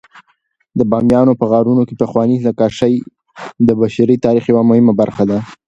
د بامیانو په غارونو کې پخواني نقاشۍ د بشري تاریخ یوه مهمه برخه ده.